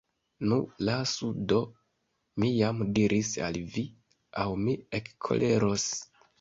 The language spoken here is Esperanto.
Nu, lasu do, mi jam diris al vi, aŭ mi ekkoleros.